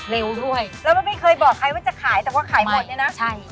แล้วมันไม่เคยบอกใครว่าจะขายแต่ว่าขายหมดเนี่ยนะฉ่อยใช่